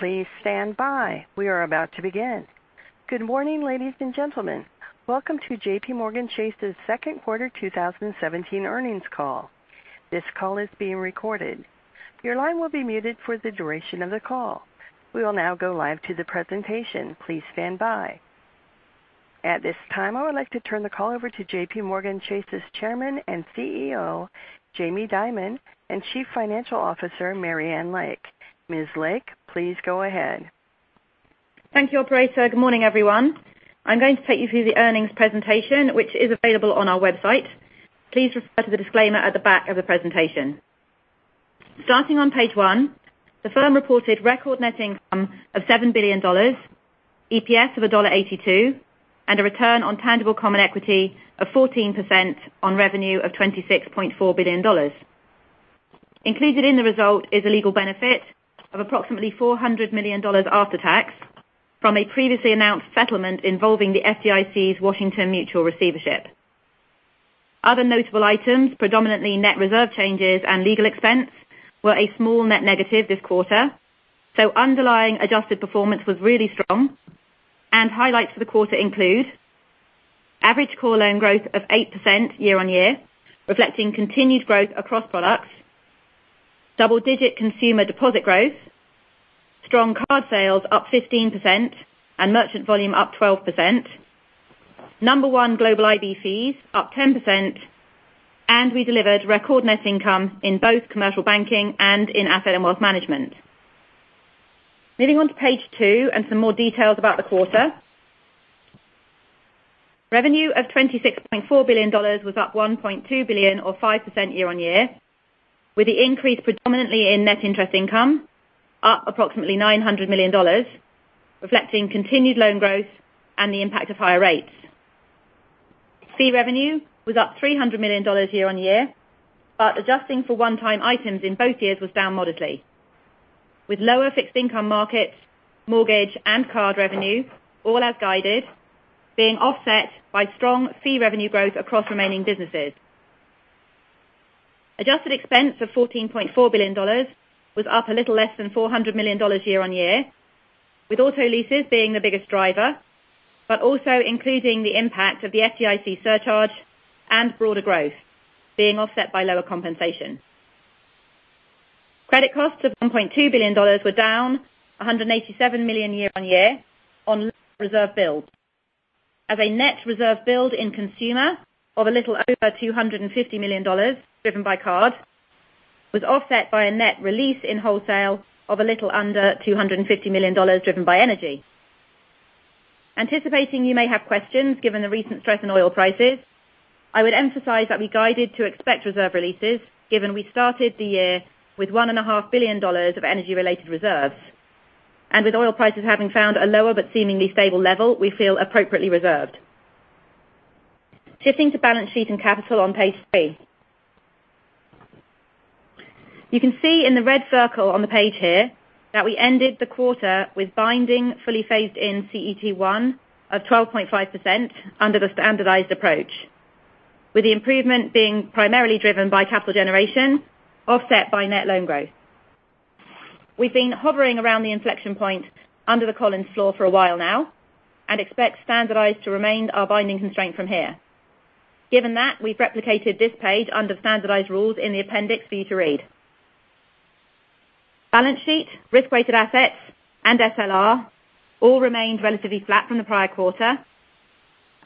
Please stand by. We are about to begin. Good morning, ladies and gentlemen. Welcome to JPMorgan Chase's second quarter 2017 earnings call. This call is being recorded. Your line will be muted for the duration of the call. We will now go live to the presentation. Please stand by. At this time, I would like to turn the call over to JPMorgan Chase's Chairman and CEO, Jamie Dimon, and Chief Financial Officer, Marianne Lake. Ms. Lake, please go ahead. Thank you, operator. Good morning, everyone. I'm going to take you through the earnings presentation, which is available on our website. Please refer to the disclaimer at the back of the presentation. Starting on page one, the firm reported record net income of $7 billion, EPS of $1.82, and a return on tangible common equity of 14% on revenue of $26.4 billion. Included in the result is a legal benefit of approximately $400 million after tax from a previously announced settlement involving the FDIC's Washington Mutual receivership. Other notable items, predominantly net reserve changes and legal expense, were a small net negative this quarter. Underlying adjusted performance was really strong, and highlights for the quarter include average core loan growth of 8% year-on-year, reflecting continued growth across products. Double-digit consumer deposit growth, strong card sales up 15%, and merchant volume up 12%. Number one global IB fees up 10%, and we delivered record net income in both commercial banking and in asset and wealth management. Moving on to page two and some more details about the quarter. Revenue of $26.4 billion was up $1.2 billion or 5% year-on-year, with the increase predominantly in net interest income up approximately $900 million, reflecting continued loan growth and the impact of higher rates. Fee revenue was up $300 million year-on-year, but adjusting for one-time items in both years was down modestly. With lower fixed income markets, mortgage, and card revenue all as guided, being offset by strong fee revenue growth across remaining businesses. Adjusted expense of $14.4 billion was up a little less than $400 million year-on-year, with auto leases being the biggest driver, also including the impact of the FDIC surcharge and broader growth being offset by lower compensation. Credit costs of $1.2 billion were down $187 million year-on-year on loan reserve build. As a net reserve build in consumer of a little over $250 million, driven by card, was offset by a net release in wholesale of a little under $250 million, driven by energy. Anticipating you may have questions given the recent stress in oil prices, I would emphasize that we guided to expect reserve releases, given we started the year with $1.5 billion of energy-related reserves. With oil prices having found a lower but seemingly stable level, we feel appropriately reserved. Shifting to balance sheet and capital on page three. You can see in the red circle on the page here that we ended the quarter with binding fully phased in CET1 of 12.5% under the standardized approach, with the improvement being primarily driven by capital generation offset by net loan growth. We've been hovering around the inflection point under the Collins floor for a while now. We expect standardized to remain our binding constraint from here. Given that, we've replicated this page under standardized rules in the appendix for you to read. Balance sheet, risk-weighted assets, and SLR all remained relatively flat from the prior quarter.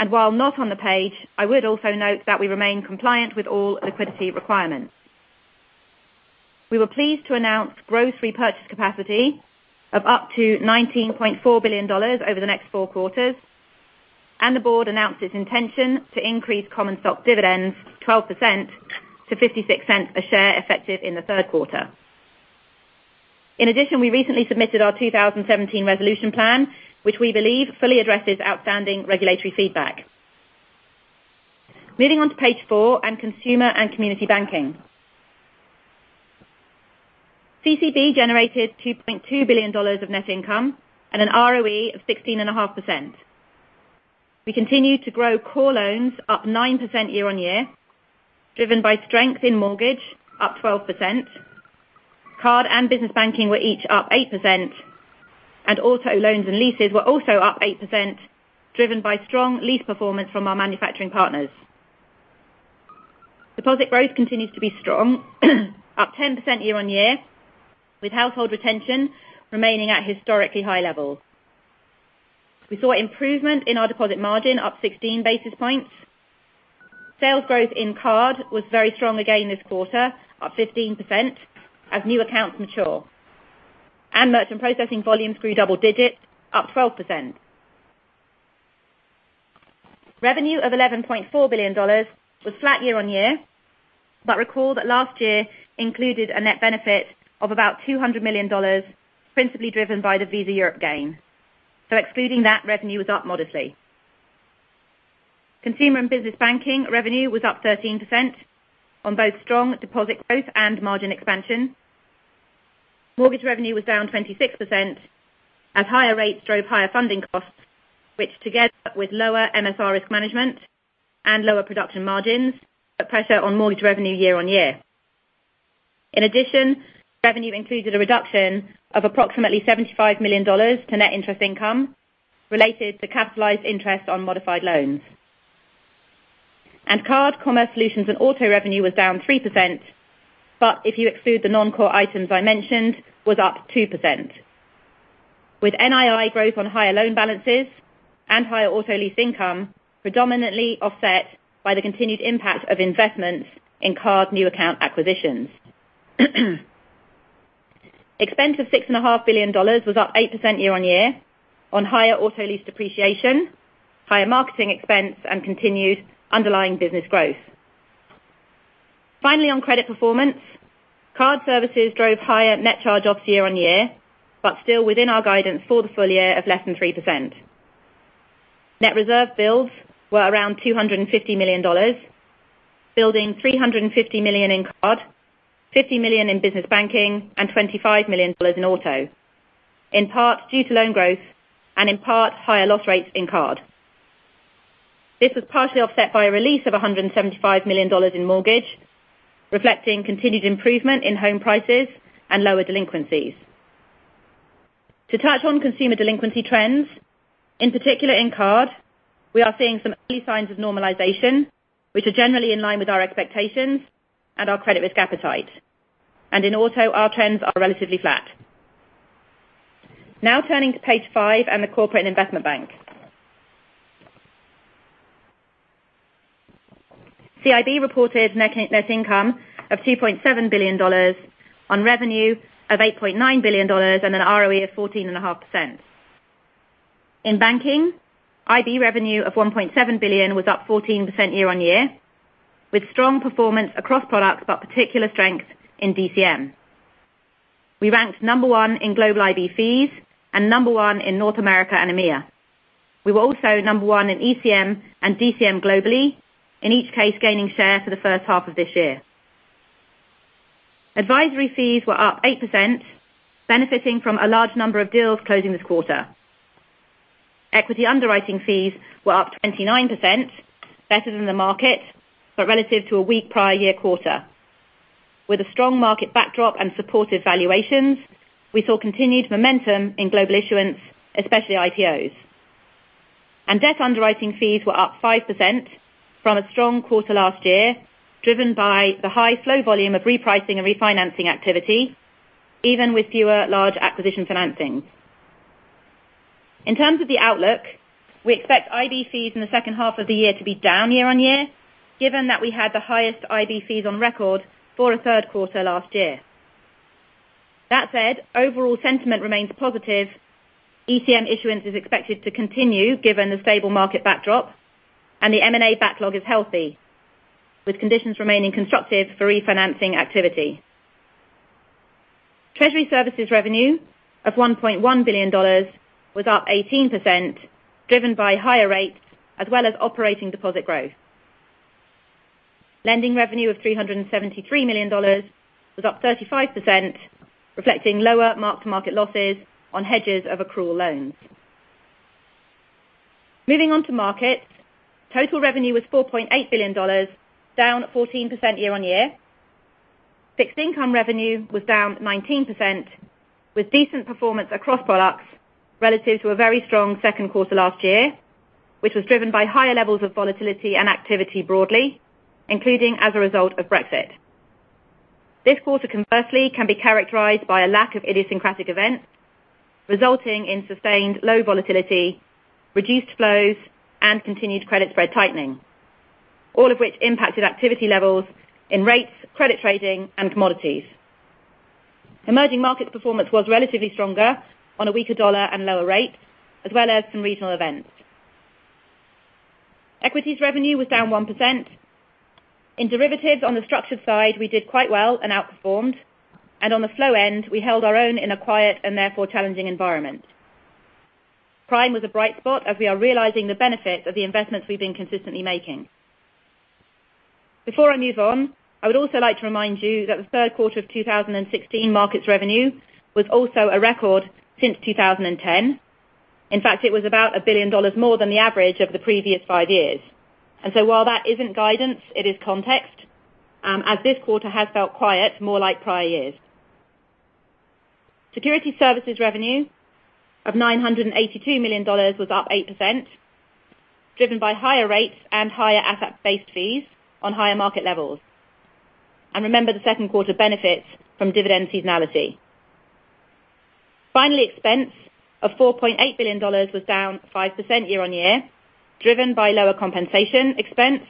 While not on the page, I would also note that we remain compliant with all liquidity requirements. We were pleased to announce gross repurchase capacity of up to $19.4 billion over the next four quarters. The board announced its intention to increase common stock dividends 12% to $0.56 a share effective in the third quarter. In addition, we recently submitted our 2017 resolution plan, which we believe fully addresses outstanding regulatory feedback. Moving on to page four on Consumer and Community Banking. CCB generated $2.2 billion of net income and an ROE of 16.5%. We continued to grow core loans up 9% year-on-year, driven by strength in mortgage up 12%. Card and Business Banking were each up 8%, and auto loans and leases were also up 8%, driven by strong lease performance from our manufacturing partners. Deposit growth continues to be strong, up 10% year-on-year, with household retention remaining at historically high levels. We saw improvement in our deposit margin up 16 basis points. Sales growth in card was very strong again this quarter, up 15% as new accounts mature. Merchant processing volumes grew double digits, up 12%. Revenue of $11.4 billion was flat year-on-year. Recall that last year included a net benefit of about $200 million, principally driven by the Visa Europe gain. Excluding that, revenue was up modestly. Consumer and Business Banking revenue was up 13% on both strong deposit growth and margin expansion. Mortgage revenue was down 26% as higher rates drove higher funding costs, which together with lower MSR risk management and lower production margins, put pressure on mortgage revenue year-on-year. In addition, revenue included a reduction of approximately $75 million to net interest income related to capitalized interest on modified loans. Card, commerce, solutions, and auto revenue was down 3%, but if you exclude the non-core items I mentioned, was up 2%. With NII growth on higher loan balances and higher auto lease income predominantly offset by the continued impact of investments in card new account acquisitions. Expense of $6.5 billion was up 8% year-on-year on higher auto lease depreciation, higher marketing expense, and continued underlying business growth. Finally, on credit performance, card services drove higher net charge offs year-on-year, but still within our guidance for the full year of less than 3%. Net reserve builds were around $250 million, building $350 million in card, $50 million in Business Banking, and $25 million in auto, in part due to loan growth and in part higher loss rates in card. This was partially offset by a release of $175 million in mortgage, reflecting continued improvement in home prices and lower delinquencies. To touch on consumer delinquency trends, in particular in card, we are seeing some early signs of normalization, which are generally in line with our expectations and our credit risk appetite. In auto, our trends are relatively flat. Turning to page five and the Corporate and Investment Bank. CIB reported net income of $2.7 billion on revenue of $8.9 billion and an ROE of 14.5%. In banking, IB revenue of $1.7 billion was up 14% year-on-year, with strong performance across products but particular strength in DCM. We ranked number one in global IB fees and number one in North America and EMEA. We were also number one in ECM and DCM globally, in each case gaining share for the first half of this year. Advisory fees were up 8%, benefiting from a large number of deals closing this quarter. Equity underwriting fees were up 29%, better than the market, but relative to a weak prior year quarter. With a strong market backdrop and supportive valuations, we saw continued momentum in global issuance, especially IPOs. Debt underwriting fees were up 5% from a strong quarter last year, driven by the high flow volume of repricing and refinancing activity, even with fewer large acquisition financings. In terms of the outlook, we expect IB fees in the second half of the year to be down year-on-year, given that we had the highest IB fees on record for a third quarter last year. Overall sentiment remains positive. ECM issuance is expected to continue given the stable market backdrop, and the M&A backlog is healthy, with conditions remaining constructive for refinancing activity. Treasury Services revenue of $1.1 billion was up 18%, driven by higher rates as well as operating deposit growth. Lending revenue of $373 million was up 35%, reflecting lower mark-to-market losses on hedges of accrual loans. Moving on to markets, total revenue was $4.8 billion, down 14% year-on-year. Fixed income revenue was down 19%, with decent performance across products relative to a very strong second quarter last year, which was driven by higher levels of volatility and activity broadly, including as a result of Brexit. This quarter, conversely, can be characterized by a lack of idiosyncratic events, resulting in sustained low volatility, reduced flows, and continued credit spread tightening, all of which impacted activity levels in rates, credit trading, and commodities. Emerging markets performance was relatively stronger on a weaker dollar and lower rates, as well as some regional events. Equities revenue was down 1%. In derivatives on the structured side, we did quite well and outperformed. On the flow end, we held our own in a quiet and therefore challenging environment. Prime was a bright spot as we are realizing the benefits of the investments we've been consistently making. Before I move on, I would also like to remind you that the third quarter of 2016 markets revenue was also a record since 2010. In fact, it was about $1 billion more than the average over the previous five years. While that isn't guidance, it is context, as this quarter has felt quiet, more like prior years. Securities Services revenue of $982 million was up 8%, driven by higher rates and higher asset-based fees on higher market levels. Remember the second quarter benefits from dividend seasonality. Finally, expense of $4.8 billion was down 5% year-on-year, driven by lower compensation expense,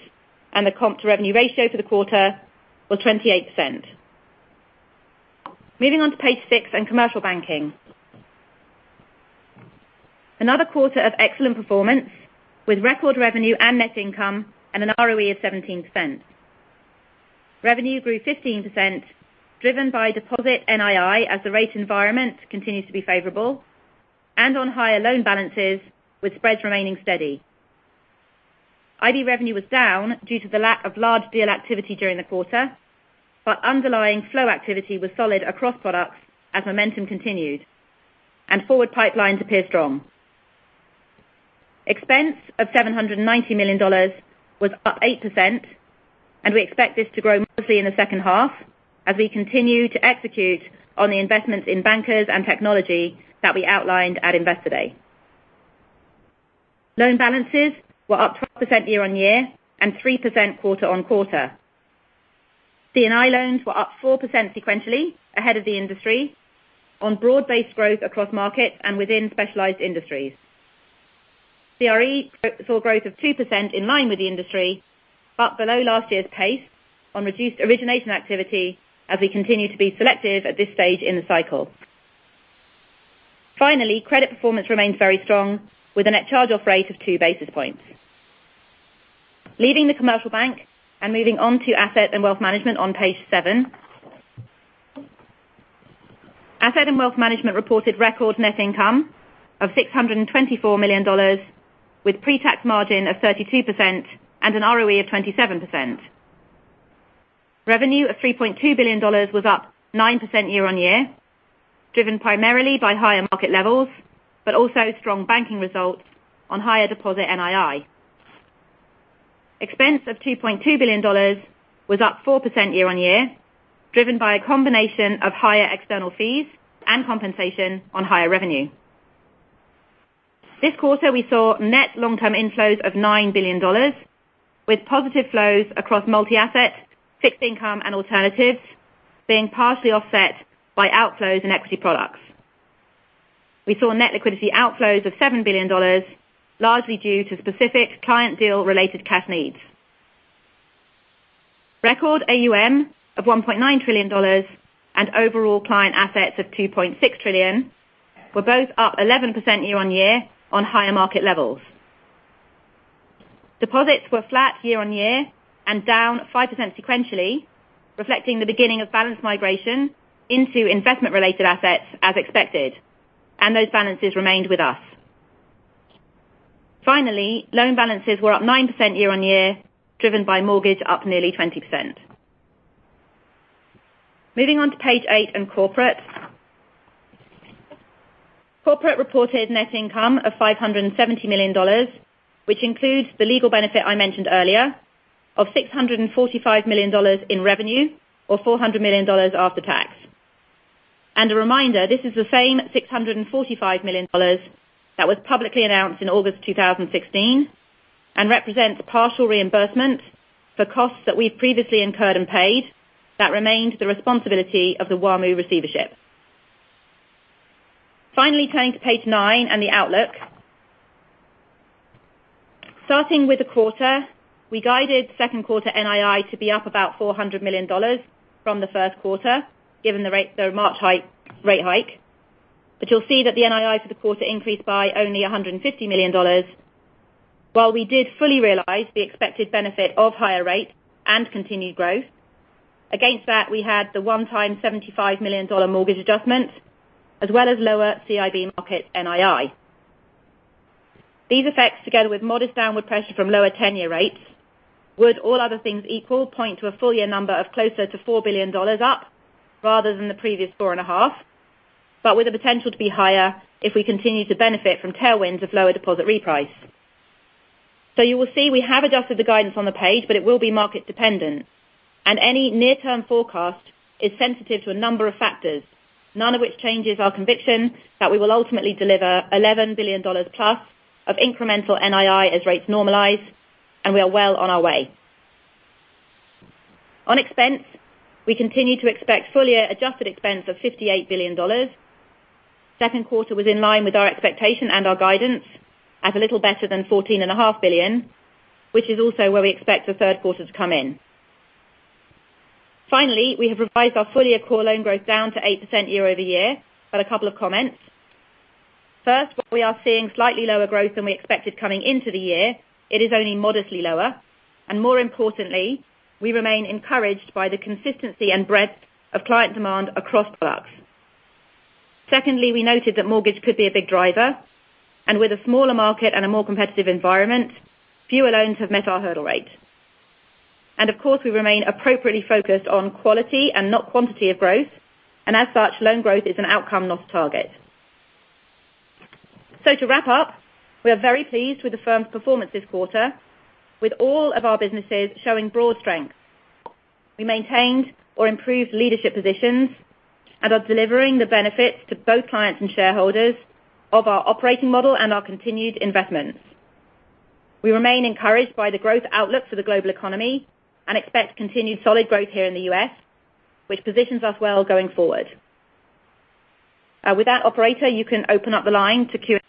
and the comp-to-revenue ratio for the quarter was 28%. Moving on to page six in Commercial Banking. Another quarter of excellent performance with record revenue and net income and an ROE of 17%. Revenue grew 15%, driven by deposit NII as the rate environment continues to be favorable and on higher loan balances with spreads remaining steady. IB revenue was down due to the lack of large deal activity during the quarter, but underlying flow activity was solid across products as momentum continued, and forward pipelines appear strong. Expense of $790 million was up 8%, and we expect this to grow mostly in the second half as we continue to execute on the investments in bankers and technology that we outlined at Investor Day. Loan balances were up 12% year-over-year and 3% quarter-over-quarter. C&I loans were up 4% sequentially ahead of the industry on broad-based growth across markets and within specialized industries. CRE saw growth of 2% in line with the industry, but below last year's pace on reduced origination activity as we continue to be selective at this stage in the cycle. Finally, credit performance remains very strong, with a net charge-off rate of two basis points. Leaving the commercial bank and moving on to asset and wealth management on page seven. Asset and wealth management reported record net income of $624 million, with pre-tax margin of 32% and an ROE of 27%. Revenue of $3.2 billion was up 9% year-over-year, driven primarily by higher market levels, but also strong banking results on higher deposit NII. Expense of $2.2 billion was up 4% year-over-year, driven by a combination of higher external fees and compensation on higher revenue. This quarter, we saw net long-term inflows of $9 billion, with positive flows across multi-asset, fixed income, and alternatives being partially offset by outflows in equity products. We saw net liquidity outflows of $7 billion, largely due to specific client deal related cash needs. Record AUM of $1.9 trillion and overall client assets of $2.6 trillion were both up 11% year-over-year on higher market levels. Deposits were flat year-over-year and down 5% sequentially, reflecting the beginning of balance migration into investment-related assets as expected, and those balances remained with us. Finally, loan balances were up 9% year-over-year, driven by mortgage up nearly 20%. Moving on to page eight on corporate. Corporate reported net income of $570 million, which includes the legal benefit I mentioned earlier of $645 million in revenue, or $400 million after tax. A reminder, this is the same $645 million that was publicly announced in August 2016 and represents partial reimbursement for costs that we previously incurred and paid that remained the responsibility of the WaMu receivership. Finally, turning to page nine and the outlook. Starting with the quarter, we guided second quarter NII to be up about $400 million from the first quarter, given the March rate hike. You'll see that the NII for the quarter increased by only $150 million. While we did fully realize the expected benefit of higher rates and continued growth, against that, we had the one-time $75 million mortgage adjustment, as well as lower CIB Market NII. These effects, together with modest downward pressure from lower tenure rates, would all other things equal point to a full-year number of closer to $4 billion up rather than the previous $4.5 billion, but with the potential to be higher if we continue to benefit from tailwinds of lower deposit reprice. You will see we have adjusted the guidance on the page, but it will be market dependent, and any near-term forecast is sensitive to a number of factors, none of which changes our conviction that we will ultimately deliver $11 billion+ of incremental NII as rates normalize, and we are well on our way. On expense, we continue to expect full year adjusted expense of $58 billion. Second quarter was in line with our expectation and our guidance at a little better than $14.5 billion, which is also where we expect the third quarter to come in. Finally, we have revised our full year core loan growth down to 8% year-over-year, a couple of comments. First, while we are seeing slightly lower growth than we expected coming into the year, it is only modestly lower, and more importantly, we remain encouraged by the consistency and breadth of client demand across products. Secondly, we noted that mortgage could be a big driver, and with a smaller market and a more competitive environment, fewer loans have met our hurdle rate. Of course, we remain appropriately focused on quality and not quantity of growth. As such, loan growth is an outcome, not a target. To wrap up, we are very pleased with the firm's performance this quarter, with all of our businesses showing broad strength. We maintained or improved leadership positions and are delivering the benefits to both clients and shareholders of our operating model and our continued investments. We remain encouraged by the growth outlook for the global economy and expect continued solid growth here in the U.S., which positions us well going forward. With that, operator, you can open up the line to Q&A.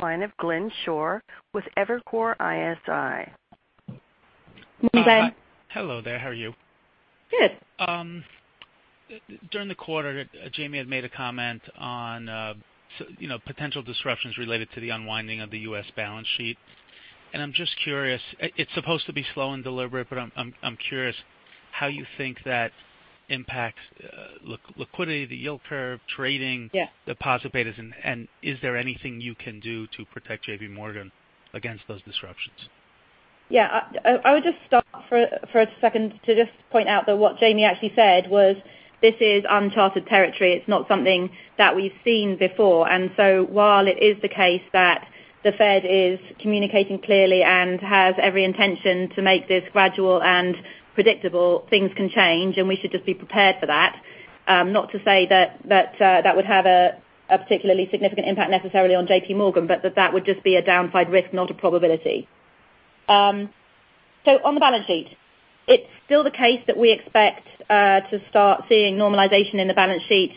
Line of Glenn Schorr with Evercore ISI. Morning. Hello there. How are you? Good. During the quarter, Jamie had made a comment on potential disruptions related to the unwinding of the U.S. balance sheet. I'm just curious, it's supposed to be slow and deliberate, but I'm curious how you think that impacts liquidity, the yield curve, trading. Yeah Deposit betas, is there anything you can do to protect JPMorgan against those disruptions? Yeah. I would just stop for a second to just point out that what Jamie actually said was, this is uncharted territory. It's not something that we've seen before. While it is the case that the Fed is communicating clearly and has every intention to make this gradual and predictable, things can change, and we should just be prepared for that. Not to say that that would have a particularly significant impact necessarily on JPMorgan, but that that would just be a downside risk, not a probability. On the balance sheet, it's still the case that we expect to start seeing normalization in the balance sheet,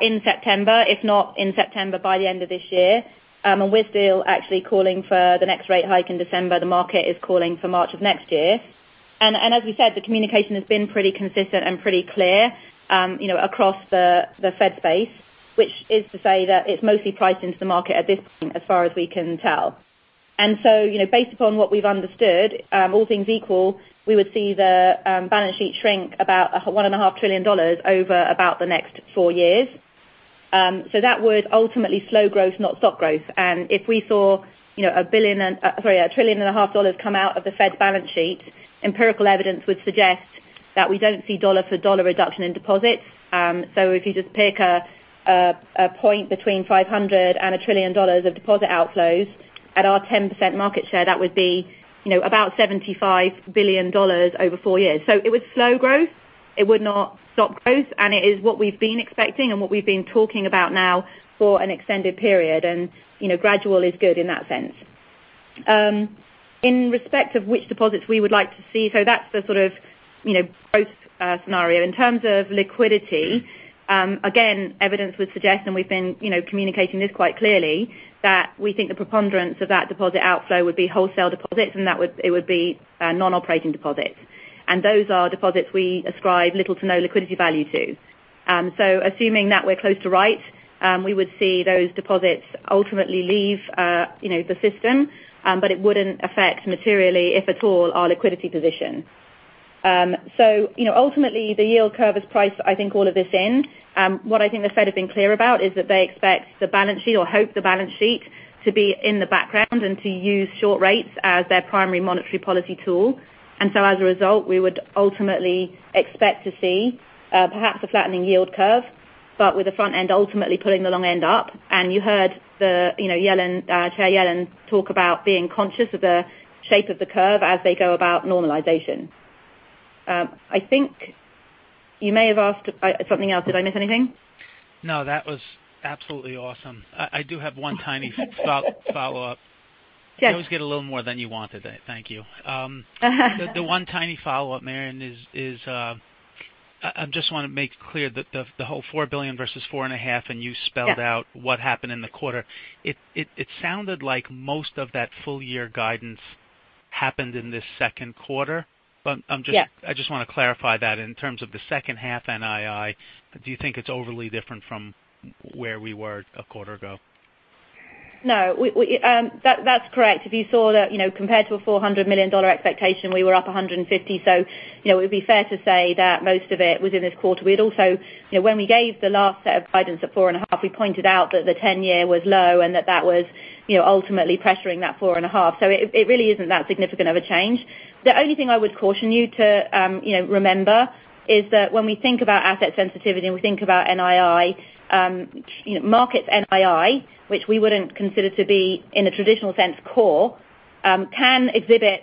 in September. If not in September, by the end of this year. We're still actually calling for the next rate hike in December. The market is calling for March of next year. As we said, the communication has been pretty consistent and pretty clear, across the Fed space, which is to say that it's mostly priced into the market at this point, as far as we can tell. Based upon what we've understood, all things equal, we would see the balance sheet shrink about $1.5 trillion over about the next four years. That would ultimately slow growth, not stop growth. If we saw a trillion and a half dollars come out of the Fed's balance sheet, empirical evidence would suggest that we don't see dollar for dollar reduction in deposits. If you just pick a point between $500 and $1 trillion of deposit outflows at our 10% market share, that would be about $75 billion over four years. It would slow growth. It would not stop growth, it is what we've been expecting and what we've been talking about now for an extended period. Gradual is good in that sense. In respect of which deposits we would like to see, that's the sort of growth scenario. In terms of liquidity, again, evidence would suggest, we've been communicating this quite clearly, that we think the preponderance of that deposit outflow would be wholesale deposits, it would be non-operating deposits. Those are deposits we ascribe little to no liquidity value to. Assuming that we're close to right, we would see those deposits ultimately leave the system, but it wouldn't affect materially, if at all, our liquidity position. Ultimately, the yield curve has priced, I think all of this in. What I think the Fed has been clear about is that they expect the balance sheet or hope the balance sheet to be in the background and to use short rates as their primary monetary policy tool. As a result, we would ultimately expect to see perhaps a flattening yield curve, with the front end ultimately pulling the long end up. You heard Chair Yellen talk about being conscious of the shape of the curve as they go about normalization. I think you may have asked something else. Did I miss anything? No, that was absolutely awesome. I do have one tiny follow-up. Yes. You always get a little more than you wanted. Thank you. The one tiny follow-up, Marianne, is I just want to make clear that the whole $4 billion versus four and a half, and you spelled out what happened in the quarter. It sounded like most of that full year guidance happened in this second quarter. Yeah. I just want to clarify that in terms of the second half NII, do you think it's overly different from where we were a quarter ago? No, that's correct. If you saw that compared to a $400 million expectation, we were up 150. It would be fair to say that most of it was in this quarter. When we gave the last set of guidance at four and a half, we pointed out that the 10-year was low and that that was ultimately pressuring that four and a half. It really isn't that significant of a change. The only thing I would caution you to remember is that when we think about asset sensitivity and we think about NII, markets NII, which we wouldn't consider to be, in a traditional sense, core, can exhibit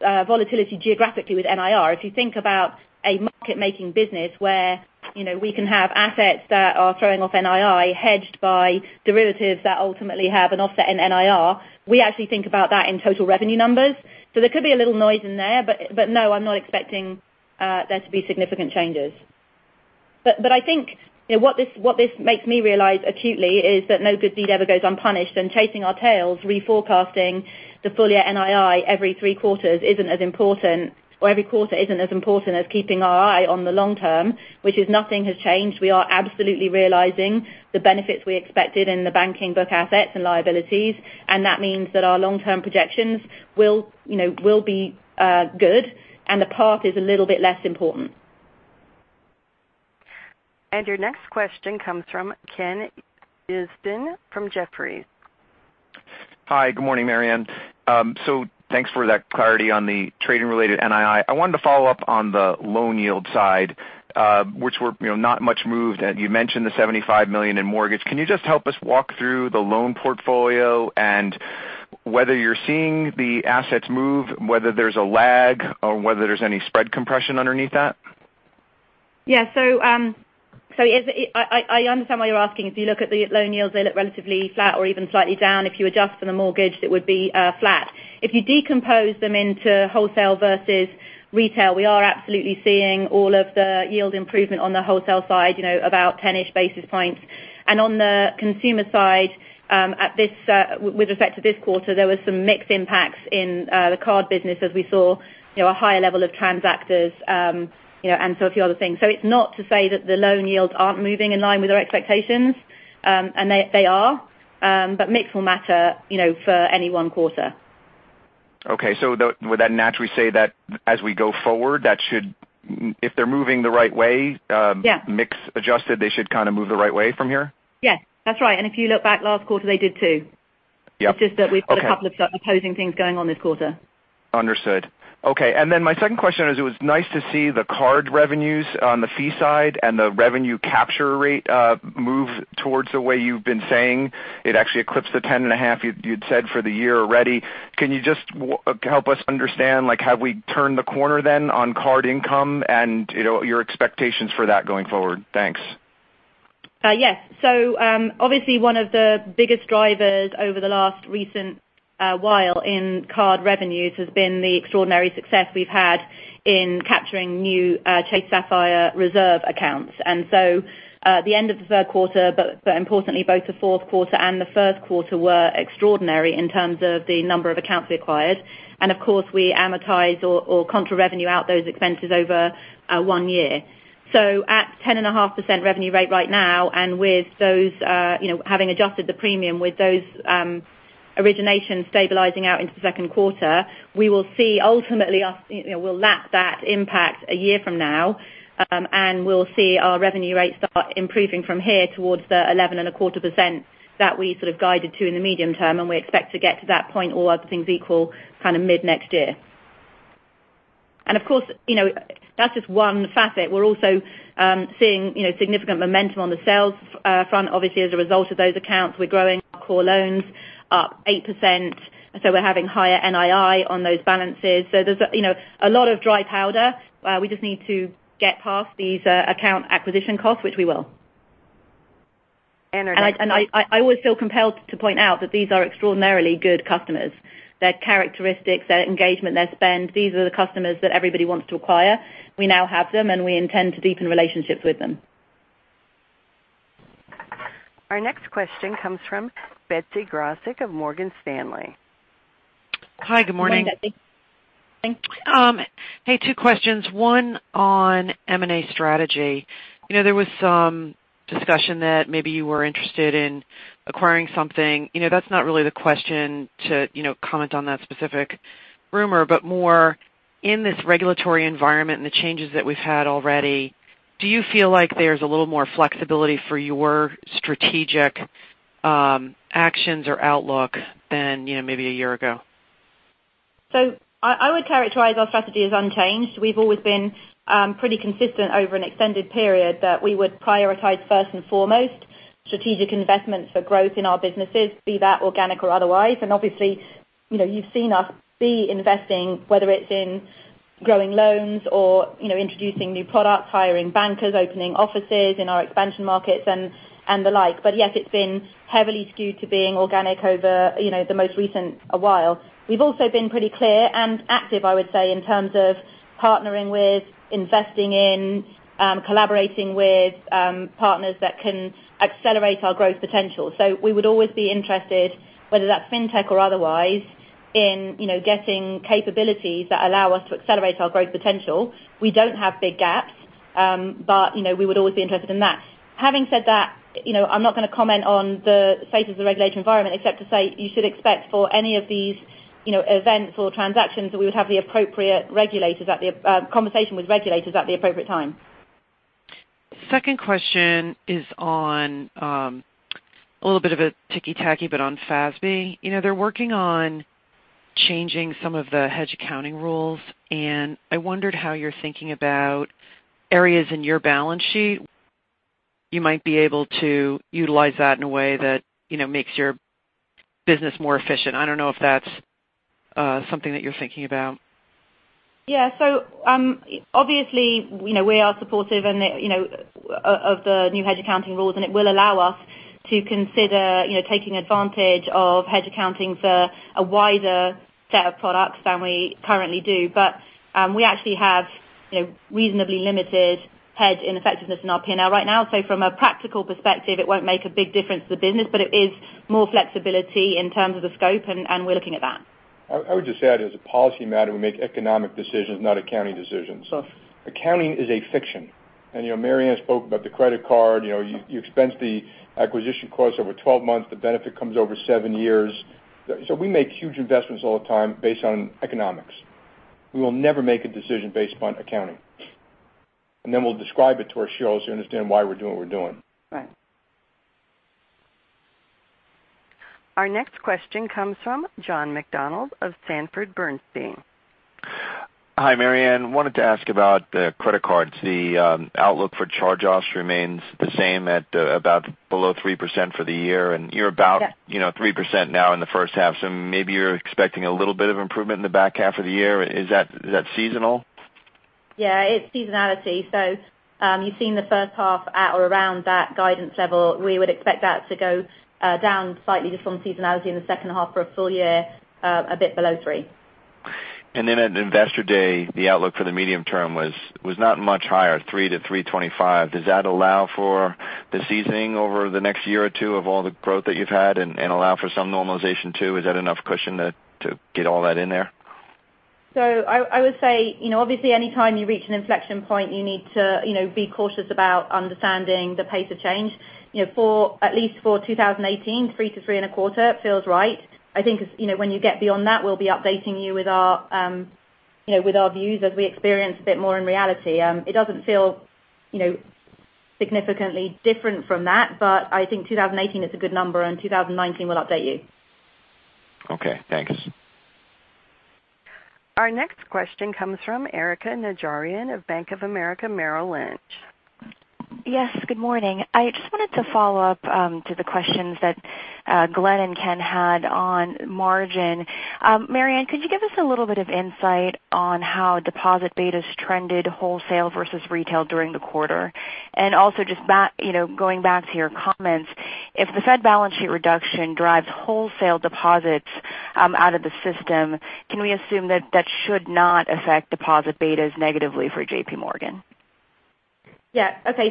volatility geographically with NIR. If you think about a market-making business where we can have assets that are throwing off NII hedged by derivatives that ultimately have an offset in NIR. We actually think about that in total revenue numbers. There could be a little noise in there, but no, I'm not expecting there to be significant changes. I think what this makes me realize acutely is that no good deed ever goes unpunished, and chasing our tails reforecasting the full year NII every three quarters isn't as important, or every quarter isn't as important as keeping our eye on the long term, which is nothing has changed. We are absolutely realizing the benefits we expected in the banking book assets and liabilities, that means that our long-term projections will be good and the path is a little bit less important. Your next question comes from Ken Usdin from Jefferies. Hi, good morning, Marianne. Thanks for that clarity on the trading-related NII. I wanted to follow up on the loan yield side, which were not much moved. You mentioned the $75 million in mortgage. Can you just help us walk through the loan portfolio and whether you're seeing the assets move, whether there's a lag, or whether there's any spread compression underneath that? I understand why you're asking. If you look at the loan yields, they look relatively flat or even slightly down. If you adjust for the mortgage, it would be flat. If you decompose them into wholesale versus retail, we are absolutely seeing all of the yield improvement on the wholesale side, about 10-ish basis points. On the consumer side with respect to this quarter, there were some mixed impacts in the card business as we saw a higher level of transactors, a few other things. It's not to say that the loan yields aren't moving in line with our expectations, and they are. Mix will matter for any one quarter. Okay. Would that naturally say that as we go forward, if they're moving the right way- Yeah mix adjusted, they should kind of move the right way from here? Yes. That's right. If you look back last quarter, they did too. Yeah. Okay. It's just that we've got a couple of opposing things going on this quarter. Understood. Okay. My second question is, it was nice to see the card revenues on the fee side and the revenue capture rate move towards the way you've been saying. It actually eclipsed the 10.5% you'd said for the year already. Can you just help us understand, have we turned the corner then on card income and your expectations for that going forward? Thanks. Yes. Obviously one of the biggest drivers over the last recent while in card revenues has been the extraordinary success we've had in capturing new Chase Sapphire Reserve accounts. At the end of the third quarter, but importantly, both the fourth quarter and the first quarter were extraordinary in terms of the number of accounts we acquired. Of course, we amortize or contra revenue out those expenses over one year. At 10.5% revenue rate right now, and having adjusted the premium with those originations stabilizing out into the second quarter, we will see ultimately, we'll lap that impact a year from now. We'll see our revenue rates start improving from here towards the 11.25% that we sort of guided to in the medium term, and we expect to get to that point, all other things equal, mid next year. Of course, that's just one facet. We're also seeing significant momentum on the sales front. Obviously, as a result of those accounts, we're growing core loans up 8%, so we're having higher NII on those balances. There's a lot of dry powder. We just need to get past these account acquisition costs, which we will. Our next- I always feel compelled to point out that these are extraordinarily good customers. Their characteristics, their engagement, their spend, these are the customers that everybody wants to acquire. We now have them, and we intend to deepen relationships with them. Our next question comes from Betsy Graseck of Morgan Stanley. Hi, good morning. Good morning, Betsy. Hey, two questions. One on M&A strategy. There was some discussion that maybe you were interested in acquiring something. That's not really the question to comment on that specific rumor, but more in this regulatory environment and the changes that we've had already, do you feel like there's a little more flexibility for your strategic actions or outlook than maybe a year ago? I would characterize our strategy as unchanged. We've always been pretty consistent over an extended period that we would prioritize first and foremost strategic investments for growth in our businesses, be that organic or otherwise. Obviously, you've seen us be investing, whether it's in growing loans or introducing new products, hiring bankers, opening offices in our expansion markets, and the like. Yes, it's been heavily skewed to being organic over the most recent a while. We've also been pretty clear and active, I would say, in terms of partnering with, investing in, collaborating with partners that can accelerate our growth potential. We would always be interested, whether that's fintech or otherwise, in getting capabilities that allow us to accelerate our growth potential. We don't have big gaps, but we would always be interested in that. Having said that, I'm not going to comment on the state of the regulatory environment except to say you should expect for any of these events or transactions that we would have the appropriate conversation with regulators at the appropriate time. Second question is on, a little bit of a ticky-tacky, but on FASB. They're working on changing some of the hedge accounting rules. I wondered how you're thinking about areas in your balance sheet you might be able to utilize that in a way that makes your business more efficient. I don't know if that's something that you're thinking about. Yeah. Obviously, we are supportive of the new hedge accounting rules, it will allow us to consider taking advantage of hedge accounting for a wider set of products than we currently do. We actually have reasonably limited hedge ineffectiveness in our P&L right now. From a practical perspective, it won't make a big difference to the business, but it is more flexibility in terms of the scope, and we're looking at that. I would just add, as a policy matter, we make economic decisions, not accounting decisions. Sure. Accounting is a fiction. Marianne spoke about the credit card. You expense the acquisition costs over 12 months, the benefit comes over seven years. We make huge investments all the time based on economics. We will never make a decision based on accounting. Then we'll describe it to our shareholders to understand why we're doing what we're doing. Right. Our next question comes from John McDonald of Sanford Bernstein. Hi, Marianne. I wanted to ask about the credit cards. The outlook for charge-offs remains the same at about below 3% for the year. Yeah 3% now in the first half. Maybe you're expecting a little bit of improvement in the back half of the year. Is that seasonal? Yeah, it's seasonality. You've seen the first half at or around that guidance level. We would expect that to go down slightly just on seasonality in the second half for a full year, a bit below 3%. At Investor Day, the outlook for the medium term was not much higher, 3%-3.25%. Does that allow for the seasoning over the next year or two of all the growth that you've had and allow for some normalization too? Is that enough cushion to get all that in there? I would say, obviously any time you reach an inflection point, you need to be cautious about understanding the pace of change. At least for 2018, 3%-3.25% feels right. I think when you get beyond that, we will be updating you with our views as we experience a bit more in reality. It does not feel significantly different from that, but I think 2018 is a good number, and 2019 we will update you. Okay, thanks. Our next question comes from Erika Najarian of Bank of America Merrill Lynch. Yes, good morning. I just wanted to follow up to the questions that Glenn and Ken had on margin. Marianne, could you give us a little bit of insight on how deposit betas trended wholesale versus retail during the quarter? And also just going back to your comments, if the Fed balance sheet reduction drives wholesale deposits out of the system, can we assume that that should not affect deposit betas negatively for JPMorgan? Yeah. Okay.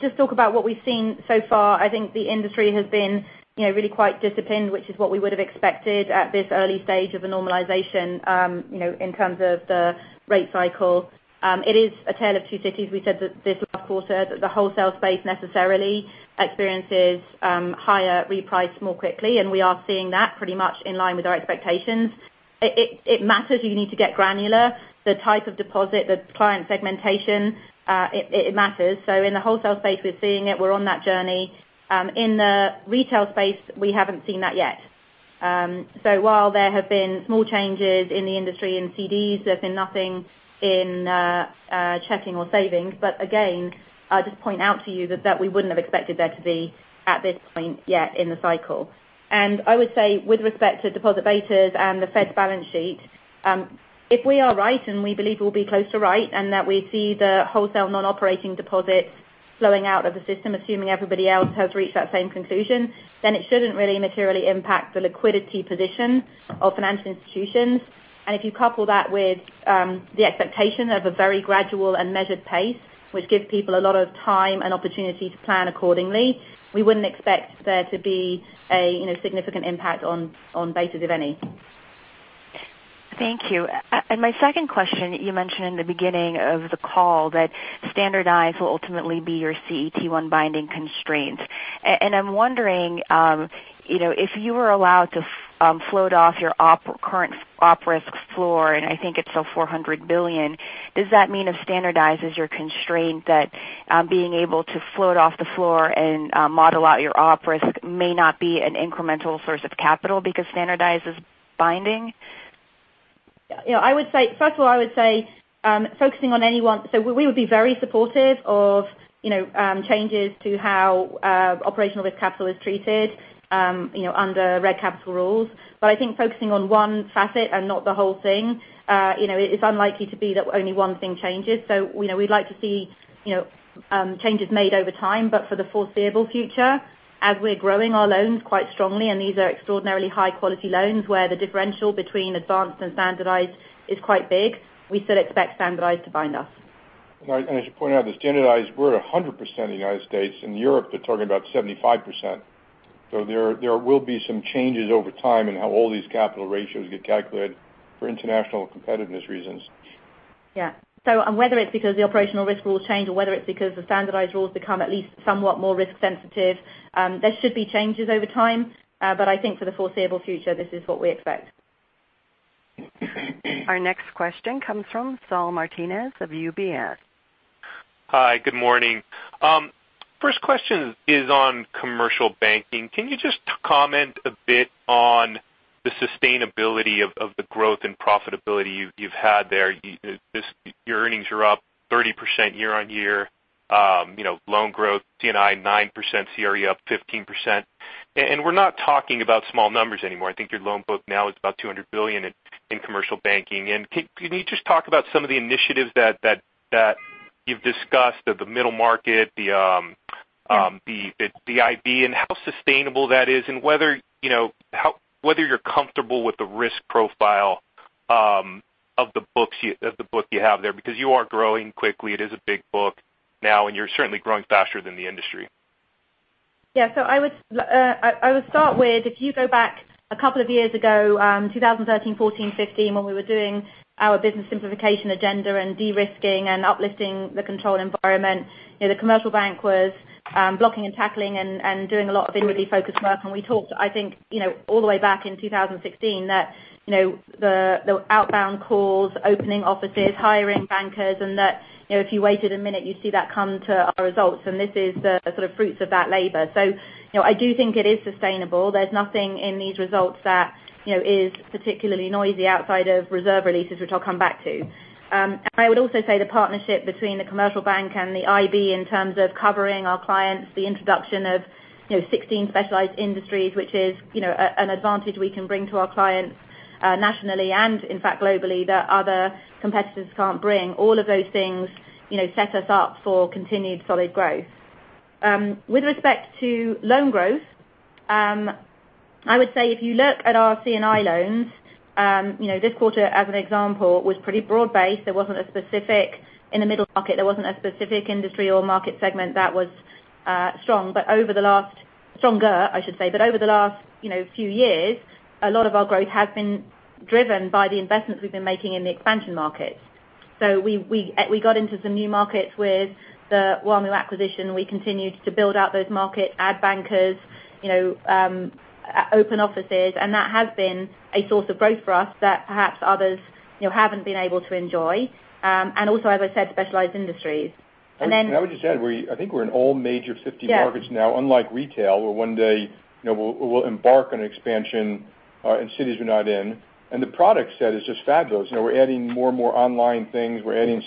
Just talk about what we've seen so far. I think the industry has been really quite disciplined, which is what we would have expected at this early stage of the normalization, in terms of the rate cycle. It is a tale of two cities. We said that this last quarter, that the wholesale space necessarily experiences higher reprice more quickly, and we are seeing that pretty much in line with our expectations. It matters, you need to get granular. The type of deposit, the client segmentation, it matters. In the wholesale space, we're seeing it. We're on that journey. In the retail space, we haven't seen that yet. While there have been small changes in the industry in CDs, there have been nothing in checking or savings. Again, I'll just point out to you that we wouldn't have expected there to be at this point yet in the cycle. I would say with respect to deposit betas and the Fed's balance sheet, if we are right, and we believe we'll be close to right, and that we see the wholesale non-operating deposits flowing out of the system, assuming everybody else has reached that same conclusion, then it shouldn't really materially impact the liquidity position of financial institutions. If you couple that with the expectation of a very gradual and measured pace, which gives people a lot of time and opportunity to plan accordingly, we wouldn't expect there to be a significant impact on betas, if any. Thank you. My second question, you mentioned in the beginning of the call that standardized will ultimately be your CET1 binding constraint. I'm wondering, if you were allowed to float off your current op risk floor, and I think it's still $400 billion, does that mean if standardized is your constraint, that being able to float off the floor and model out your op risk may not be an incremental source of capital because standardized is binding? First of all, I would say, we would be very supportive of changes to how operational risk capital is treated under reg capital rules. I think focusing on one facet and not the whole thing, it's unlikely to be that only one thing changes. We'd like to see changes made over time, but for the foreseeable future, as we're growing our loans quite strongly, and these are extraordinarily high-quality loans where the differential between advanced and standardized is quite big, we still expect standardized to bind us. I should point out that standardized, we're at 100% in the U.S. In Europe, they're talking about 75%. There will be some changes over time in how all these capital ratios get calculated for international competitiveness reasons. Whether it's because the operational risk rules change or whether it's because the standardized rules become at least somewhat more risk sensitive, there should be changes over time. I think for the foreseeable future, this is what we expect. Our next question comes from Saul Martinez of UBS. Hi, good morning. First question is on Commercial Banking. Can you just comment a bit on the sustainability of the growth and profitability you've had there? Your earnings are up 30% year-on-year. Loan growth, C&I, 9%, CRE up 15%. We're not talking about small numbers anymore. I think your loan book now is about $200 billion in Commercial Banking. Can you just talk about some of the initiatives that you've discussed of the middle market, the IB, and how sustainable that is, and whether you're comfortable with the risk profile of the book you have there? Because you are growing quickly. It is a big book now, and you're certainly growing faster than the industry. I would start with, if you go back a couple of years ago, 2013, 2014, 2015, when we were doing our business simplification agenda and de-risking and uplifting the control environment, the commercial bank was blocking and tackling and doing a lot of inwardly focused work. We talked, I think, all the way back in 2016 that the outbound calls, opening offices, hiring bankers, and that if you waited a minute, you'd see that come to our results. This is the sort of fruits of that labor. I do think it is sustainable. There's nothing in these results that is particularly noisy outside of reserve releases, which I'll come back to. I would also say the partnership between the commercial bank and the IB in terms of covering our clients, the introduction of 16 specialized industries, which is an advantage we can bring to our clients nationally and in fact globally that other competitors can't bring. All of those things set us up for continued solid growth. With respect to loan growth, I would say if you look at our C&I loans, this quarter, as an example, was pretty broad-based. In the middle market, there wasn't a specific industry or market segment that was stronger. Over the last few years, a lot of our growth has been driven by the investments we've been making in the expansion markets. We got into some new markets with the WaMu acquisition. We continued to build out those markets, add bankers, open offices, and that has been a source of growth for us that perhaps others haven't been able to enjoy. Also, as I said, specialized industries. I would just add, I think we're in all major 50 markets. Yeah Unlike retail, where one day, we'll embark on expansion in cities we're not in. The product set is just fabulous. We're adding more and more online things. We're adding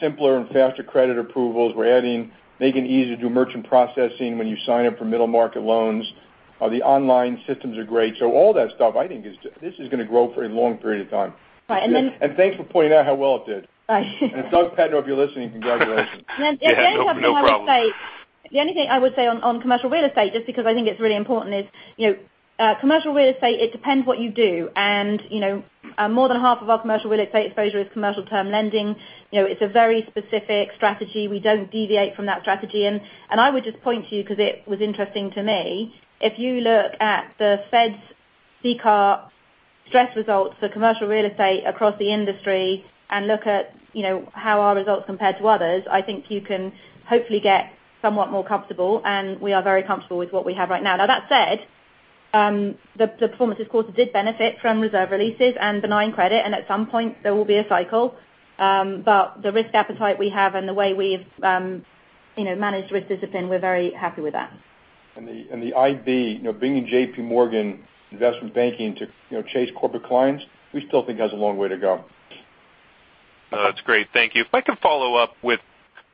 simpler and faster credit approvals. We're making it easy to do merchant processing when you sign up for middle-market loans. The online systems are great. All that stuff, I think this is going to grow for a long period of time. Right. Thanks for pointing out how well it did. Right. Doug Petno, if you're listening, congratulations. Yeah. No problem. The only thing I would say on commercial real estate, just because I think it's really important is, commercial real estate, it depends what you do. More than half of our commercial real estate exposure is commercial term lending. It's a very specific strategy. We don't deviate from that strategy. I would just point to you, because it was interesting to me, if you look at the Fed's CCAR stress results for commercial real estate across the industry and look at how our results compare to others, I think you can hopefully get somewhat more comfortable, and we are very comfortable with what we have right now. That said, the performance this quarter did benefit from reserve releases and benign credit, and at some point, there will be a cycle. The risk appetite we have and the way we've managed risk discipline, we're very happy with that. The IB, bringing JPMorgan Investment Banking to Chase corporate clients, we still think has a long way to go. That's great. Thank you. If I could follow up with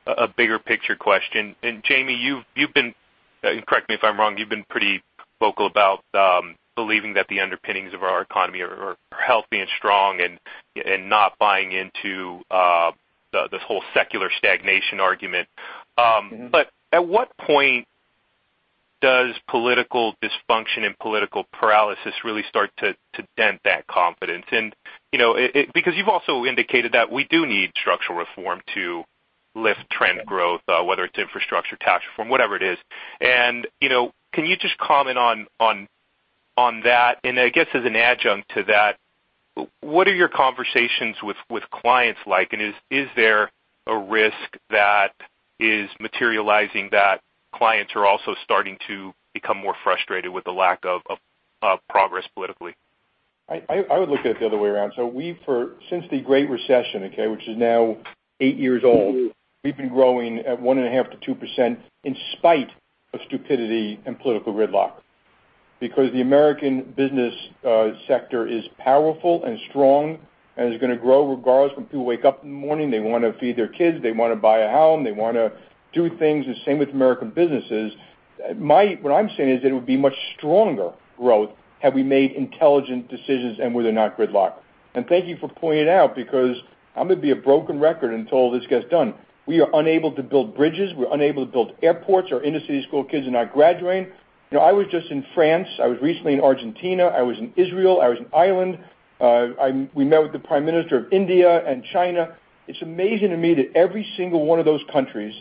a bigger picture question. Jamie, and correct me if I'm wrong, you've been pretty vocal about believing that the underpinnings of our economy are healthy and strong and not buying into this whole secular stagnation argument. At what point does political dysfunction and political paralysis really start to dent that confidence? Because you've also indicated that we do need structural reform to lift trend growth, whether it's infrastructure, tax reform, whatever it is. Can you just comment on that? I guess as an adjunct to that, what are your conversations with clients like? Is there a risk that is materializing that clients are also starting to become more frustrated with the lack of progress politically? I would look at it the other way around. Since the Great Recession, okay, which is now eight years old. We've been growing at 1.5%-2% in spite of stupidity and political gridlock. The American business sector is powerful and strong and is going to grow regardless. When people wake up in the morning, they want to feed their kids, they want to buy a home, they want to do things. The same with American businesses. What I'm saying is it would be much stronger growth had we made intelligent decisions and were there not gridlock. Thank you for pointing it out because I'm going to be a broken record until all this gets done. We are unable to build bridges. We're unable to build airports. Our inner-city school kids are not graduating. I was just in France. I was recently in Argentina. I was in Israel. I was in Ireland. We met with the prime minister of India and China. It's amazing to me that every single one of those countries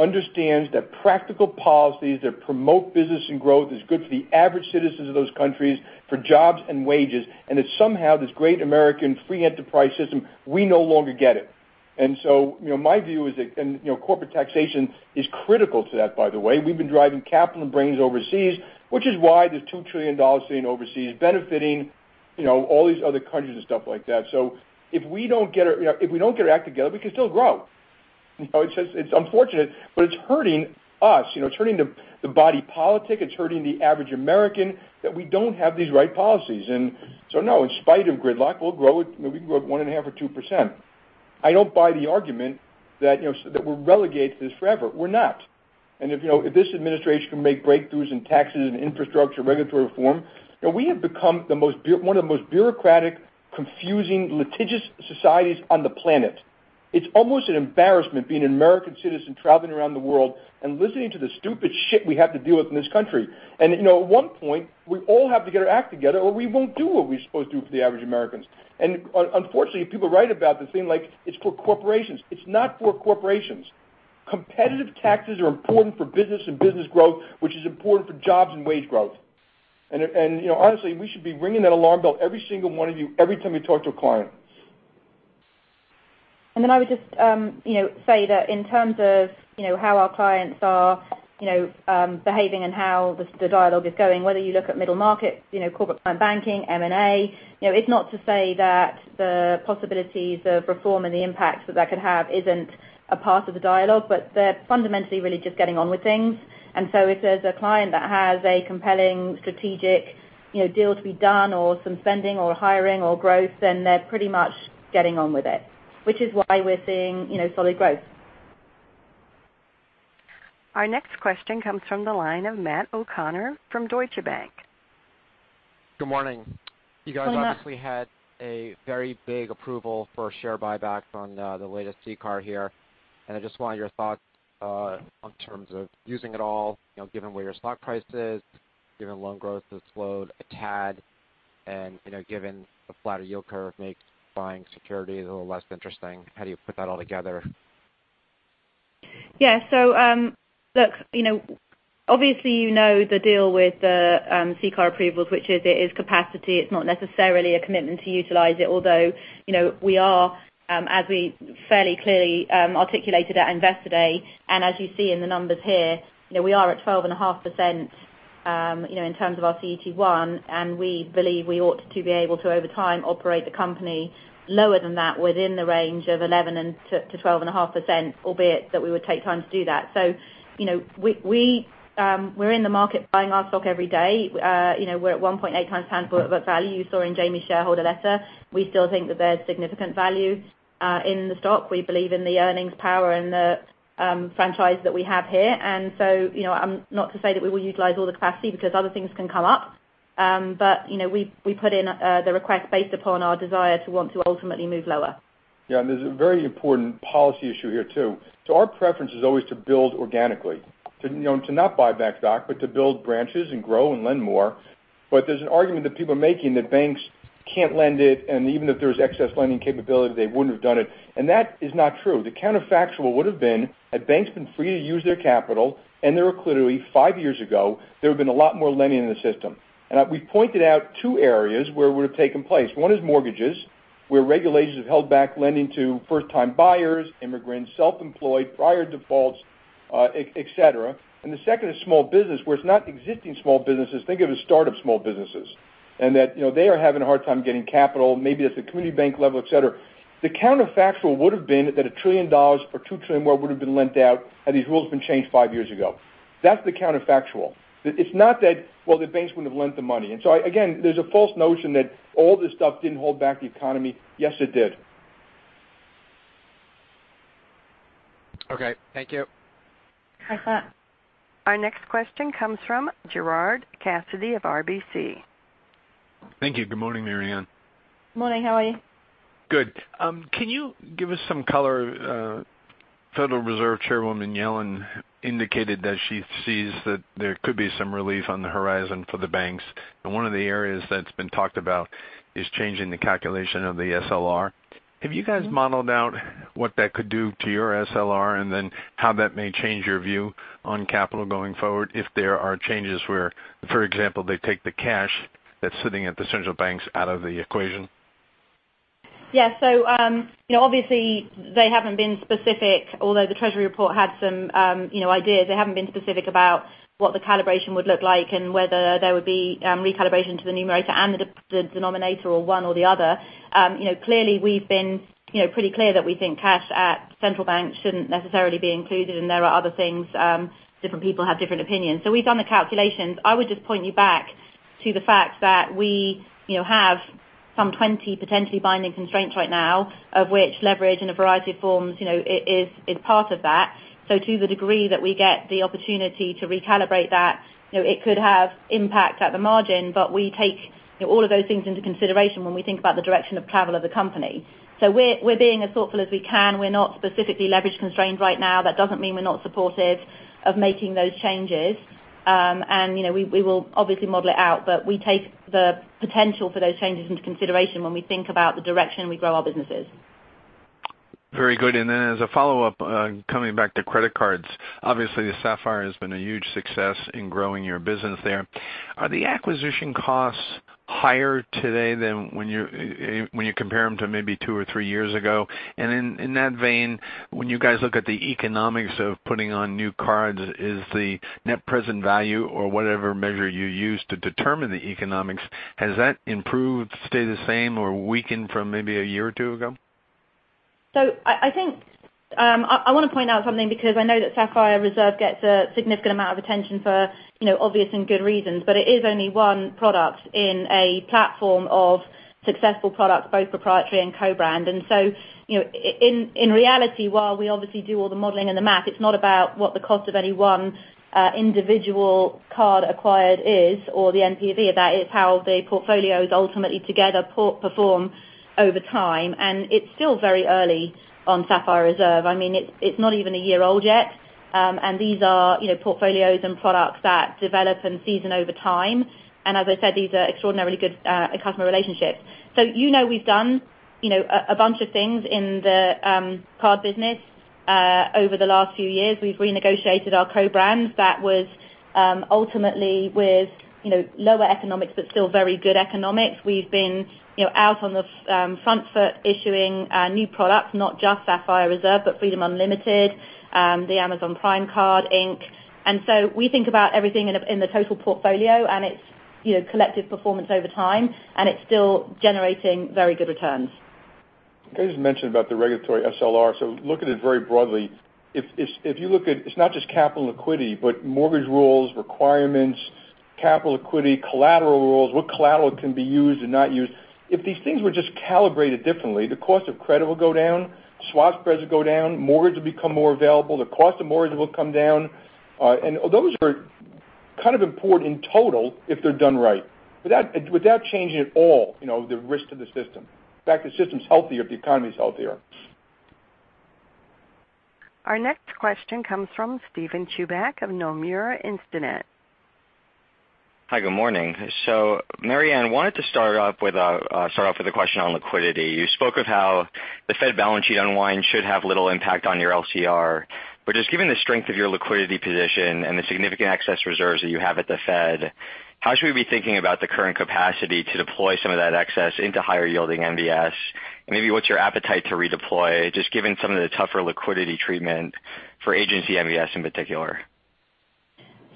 understands that practical policies that promote business and growth is good for the average citizens of those countries, for jobs and wages, and that somehow this great American free enterprise system, we no longer get it. Corporate taxation is critical to that, by the way. We've been driving capital and brains overseas, which is why there's $2 trillion sitting overseas benefiting all these other countries and stuff like that. If we don't get our act together, we can still grow. It's unfortunate, but it's hurting us. It's hurting the body politic. It's hurting the average American that we don't have these right policies. No, in spite of gridlock, we'll grow at maybe 1.5% or 2%. I don't buy the argument that we're relegated to this forever. We're not. If this administration can make breakthroughs in taxes and infrastructure, regulatory reform, we have become one of the most bureaucratic, confusing, litigious societies on the planet. It's almost an embarrassment being an American citizen traveling around the world and listening to the stupid shit we have to deal with in this country. At one point, we all have to get our act together or we won't do what we're supposed to do for the average Americans. Unfortunately, people write about this thing like it's for corporations. It's not for corporations. Competitive taxes are important for business and business growth, which is important for jobs and wage growth. Honestly, we should be ringing that alarm bell, every single one of you, every time you talk to a client. I would just say that in terms of how our clients are behaving and how the dialogue is going, whether you look at middle market, corporate client banking, M&A, it's not to say that the possibilities of reform and the impacts that that could have isn't a part of the dialogue, but they're fundamentally really just getting on with things. If there's a client that has a compelling strategic deal to be done or some spending or hiring or growth, then they're pretty much getting on with it. Which is why we're seeing solid growth. Our next question comes from the line of Matt O'Connor from Deutsche Bank. Good morning. Good morning. You guys obviously had a very big approval for a share buyback on the latest CCAR here. I just want your thoughts in terms of using it all, given where your stock price is, given loan growth has slowed a tad, and given the flatter yield curve makes buying securities a little less interesting. How do you put that all together? Yeah. Look, obviously, you know the deal with the CCAR approvals, which is it is capacity. It's not necessarily a commitment to utilize it. Although, we are, as we fairly clearly articulated at Investor Day, and as you see in the numbers here, we are at 12.5% in terms of our CET1. We believe we ought to be able to, over time, operate the company lower than that within the range of 11%-12.5%, albeit that we would take time to do that. We're in the market buying our stock every day. We're at 1.8 times tangible book value. You saw in Jamie's shareholder letter, we still think that there's significant value in the stock. We believe in the earnings power and the franchise that we have here. Not to say that we will utilize all the capacity because other things can come up. We put in the request based upon our desire to want to ultimately move lower. There's a very important policy issue here, too. Our preference is always to build organically. To not buy back stock, but to build branches and grow and lend more. There's an argument that people are making that banks can't lend it, and even if there's excess lending capability, they wouldn't have done it. That is not true. The counterfactual would have been had banks been free to use their capital, and their liquidity five years ago, there would have been a lot more lending in the system. We pointed out two areas where it would have taken place. One is mortgages, where regulators have held back lending to first-time buyers, immigrants, self-employed, prior defaults, et cetera. The second is small business, where it's not existing small businesses, think of it as startup small businesses. That they are having a hard time getting capital, maybe at the community bank level, et cetera. The counterfactual would have been that a $1 trillion or $2 trillion more would have been lent out had these rules been changed five years ago. That's the counterfactual. It's not that, well, the banks wouldn't have lent the money. Again, there's a false notion that all this stuff didn't hold back the economy. Yes, it did. Okay. Thank you. Thanks a lot. Our next question comes from Gerard Cassidy of RBC. Thank you. Good morning, Marianne. Morning. How are you? Good. Can you give us some color? Federal Reserve Chairwoman Yellen indicated that she sees that there could be some relief on the horizon for the banks. One of the areas that's been talked about is changing the calculation of the SLR. Have you guys modeled out what that could do to your SLR? How that may change your view on capital going forward if there are changes where, for example, they take the cash that's sitting at the central banks out of the equation? Yeah. Obviously, they haven't been specific, although the Treasury report had some ideas. They haven't been specific about what the calibration would look like and whether there would be recalibration to the numerator and the denominator, or one or the other. Clearly we've been pretty clear that we think cash at central banks shouldn't necessarily be included, and there are other things. Different people have different opinions. We've done the calculations. I would just point you back to the fact that we have some 20 potentially binding constraints right now, of which leverage in a variety of forms is part of that. To the degree that we get the opportunity to recalibrate that, it could have impact at the margin. We take all of those things into consideration when we think about the direction of travel of the company. We're being as thoughtful as we can. We're not specifically leverage-constrained right now. That doesn't mean we're not supportive of making those changes. We will obviously model it out, but we take the potential for those changes into consideration when we think about the direction we grow our businesses. Very good. As a follow-up, coming back to credit cards, obviously the Sapphire has been a huge success in growing your business there. Are the acquisition costs higher today than when you compare them to maybe two or three years ago? In that vein, when you guys look at the economics of putting on new cards, is the net present value or whatever measure you use to determine the economics, has that improved, stayed the same, or weakened from maybe a year or two ago? I want to point out something because I know that Chase Sapphire Reserve gets a significant amount of attention for obvious and good reasons. It is only one product in a platform of successful products, both proprietary and co-brand. In reality, while we obviously do all the modeling and the math, it's not about what the cost of any one individual card acquired is, or the NPV of that. It's how the portfolios ultimately together perform over time. It's still very early on Chase Sapphire Reserve. It's not even a year old yet. These are portfolios and products that develop and season over time. As I said, these are extraordinarily good customer relationships. You know we've done a bunch of things in the card business over the last few years. We've renegotiated our co-brands. That was ultimately with lower economics, but still very good economics. We've been out on the front foot issuing new products, not just Chase Sapphire Reserve, but Chase Freedom Unlimited, the Amazon Prime card, Ink. We think about everything in the total portfolio and its collective performance over time, and it's still generating very good returns. Can I just mention about the regulatory SLR? Look at it very broadly. It's not just capital liquidity, but mortgage rules, requirements, capital liquidity, collateral rules, what collateral can be used and not used. If these things were just calibrated differently, the cost of credit will go down, swap spreads will go down, mortgage will become more available, the cost of mortgage will come down. Those are kind of important in total if they're done right. Without changing at all the risk to the system. In fact, the system's healthier if the economy's healthier. Our next question comes from Steven Chubak of Nomura Instinet. Hi, good morning. Marianne, wanted to start off with a question on liquidity. You spoke of how the Fed balance sheet unwind should have little impact on your LCR, but just given the strength of your liquidity position and the significant excess reserves that you have at the Fed, how should we be thinking about the current capacity to deploy some of that excess into higher yielding MBS? Maybe what's your appetite to redeploy, just given some of the tougher liquidity treatment for agency MBS in particular?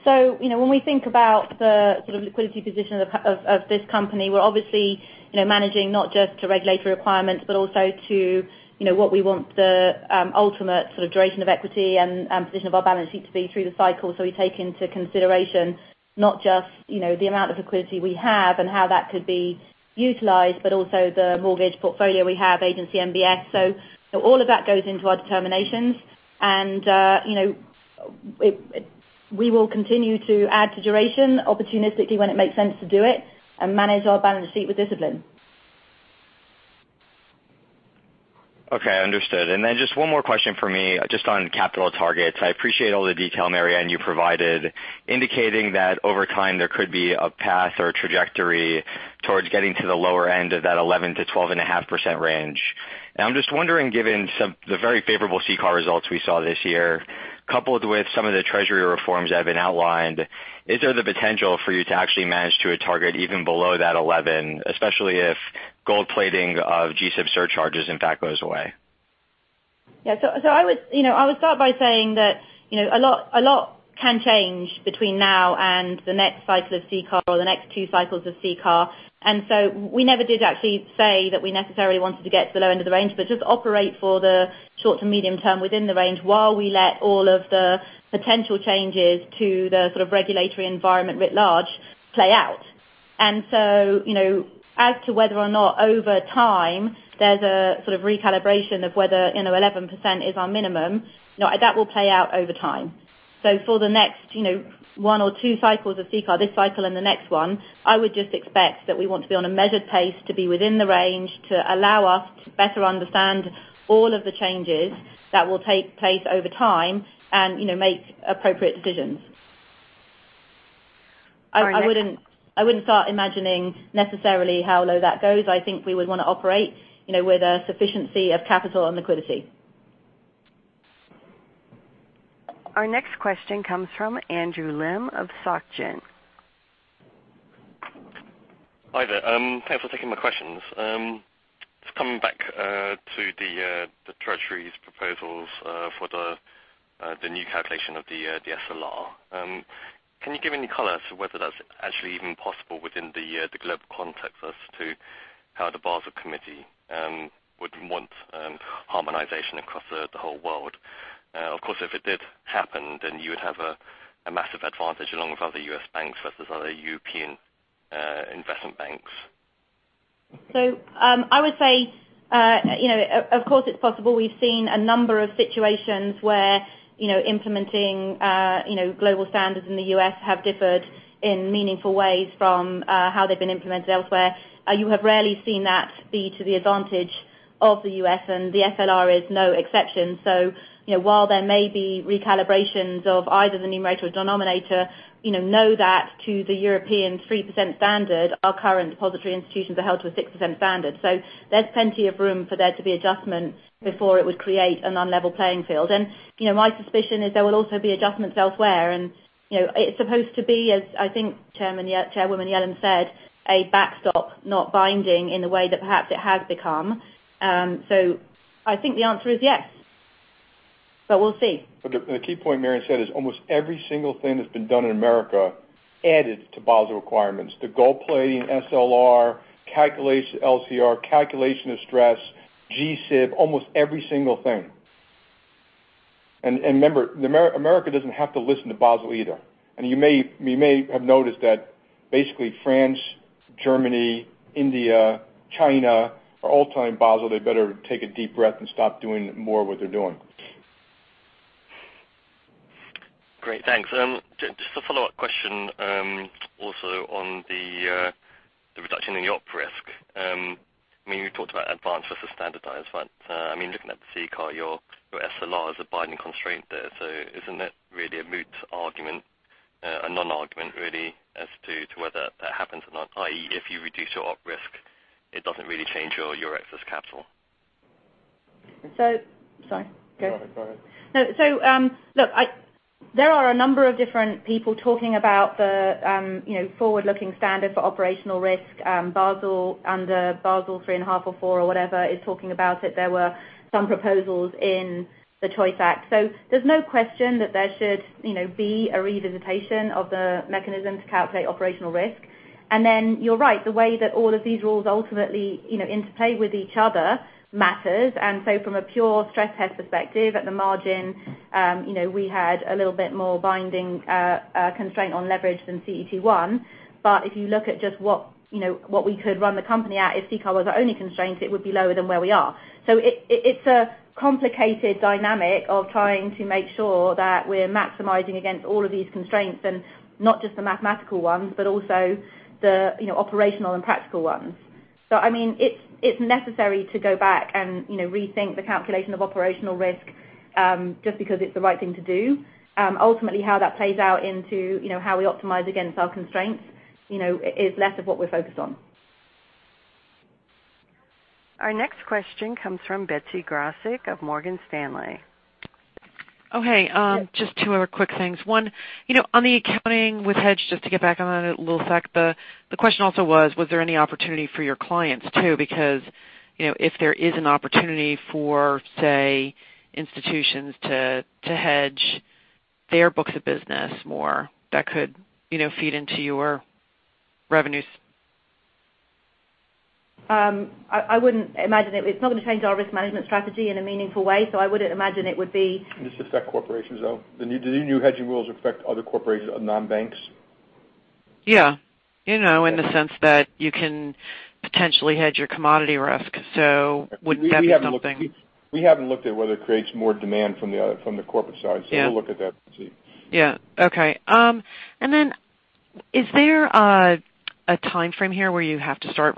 When we think about the sort of liquidity position of this company, we're obviously managing not just to regulatory requirements, but also to what we want the ultimate sort of duration of equity and position of our balance sheet to be through the cycle. We take into consideration not just the amount of liquidity we have and how that could be utilized, but also the mortgage portfolio we have, agency MBS. All of that goes into our determinations and we will continue to add to duration opportunistically when it makes sense to do it and manage our balance sheet with discipline. Okay, understood. Just one more question from me, just on capital targets. I appreciate all the detail, Marianne, you provided, indicating that over time there could be a path or a trajectory towards getting to the lower end of that 11%-12.5% range. Now, I'm just wondering, given the very favorable CCAR results we saw this year, coupled with some of the Treasury reforms that have been outlined, is there the potential for you to actually manage to a target even below that 11, especially if gold plating of G-SIB surcharges in fact goes away? Yeah. I would start by saying that a lot can change between now and the next cycle of CCAR or the next two cycles of CCAR. We never did actually say that we necessarily wanted to get to the low end of the range, but just operate for the short to medium term within the range while we let all of the potential changes to the sort of regulatory environment writ large play out. As to whether or not over time there's a sort of recalibration of whether 11% is our minimum, that will play out over time. For the next one or two cycles of CCAR, this cycle and the next one, I would just expect that we want to be on a measured pace to be within the range to allow us to better understand all of the changes that will take place over time and make appropriate decisions. Our next I wouldn't start imagining necessarily how low that goes. I think we would want to operate with a sufficiency of capital and liquidity. Our next question comes from Andrew Lim of Société Générale. Hi there. Thanks for taking my questions. Just coming back to the Treasury's proposals for the new calculation of the SLR. Can you give any color as to whether that's actually even possible within the global context versus to how the Basel Committee would want harmonization across the whole world? If it did happen, then you would have a massive advantage along with other U.S. banks versus other European investment banks. I would say of course it's possible. We've seen a number of situations where implementing global standards in the U.S. have differed in meaningful ways from how they've been implemented elsewhere. You have rarely seen that be to the advantage of the U.S., and the SLR is no exception. While there may be recalibrations of either the numerator or denominator, know that to the European 3% standard, our current depository institutions are held to a 6% standard. There's plenty of room for there to be adjustment before it would create an unlevel playing field. My suspicion is there will also be adjustments elsewhere, and it's supposed to be, as I think Chairwoman Yellen said, a backstop, not binding in the way that perhaps it has become. I think the answer is yes. We'll see. The key point Marianne said is almost every single thing that's been done in America added to Basel requirements. The gold plating, SLR, calculation LCR, calculation of stress, G-SIB, almost every single thing. Remember, America doesn't have to listen to Basel either. You may have noticed that basically France, Germany, India, China, are all telling Basel they better take a deep breath and stop doing more of what they're doing. Great, thanks. Just a follow-up question, also on the reduction in your op risk. You talked about advance versus standardized risk. Looking at the CCAR, your SLR is a binding constraint there. Isn't it really a moot argument, a non-argument really, as to whether that happens or not, i.e., if you reduce your op risk, it doesn't really change your excess capital? Sorry. Go ahead. Go ahead. Look, there are a number of different people talking about the forward-looking standard for operational risk. Under Basel III and a half or four or whatever is talking about it. There were some proposals in the Financial CHOICE Act. There's no question that there should be a revisitation of the mechanism to calculate operational risk. Then you're right, the way that all of these rules ultimately interplay with each other matters. From a pure stress test perspective, at the margin we had a little bit more binding constraint on leverage than CET1. If you look at just what we could run the company at, if CCAR was our only constraint, it would be lower than where we are. It's a complicated dynamic of trying to make sure that we're maximizing against all of these constraints and not just the mathematical ones, but also the operational and practical ones. It's necessary to go back and rethink the calculation of operational risk, just because it's the right thing to do. Ultimately, how that plays out into how we optimize against our constraints is less of what we're focused on. Our next question comes from Betsy Graseck of Morgan Stanley. Oh, hey. Yes. Just two other quick things. One, on the accounting with hedge, just to get back on that a little sec. The question also was: Was there any opportunity for your clients too? Because, if there is an opportunity for, say, institutions to hedge their books of business more, that could feed into your revenues. I wouldn't imagine it. It's not going to change our risk management strategy in a meaningful way, so I wouldn't imagine it would be. Does this affect corporations, though? Do the new hedging rules affect other corporations, non-banks? Yeah. In the sense that you can potentially hedge your commodity risk. Would that be something? We haven't looked at whether it creates more demand from the corporate side. Yeah. We'll look at that and see. Yeah. Okay. Is there a timeframe here where you have to start